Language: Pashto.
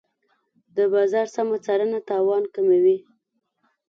د بازار سمه څارنه تاوان کموي.